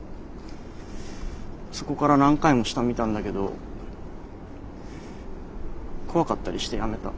そこから何回も下見たんだけど怖かったりしてやめた。